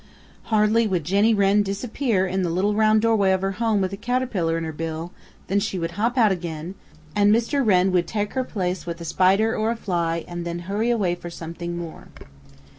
Hardly would Jenny Wren disappear in the little round doorway of her home with a caterpillar in her bill than she would hop out again, and Mr. Wren would take her place with a spider or a fly and then hurry away for something more.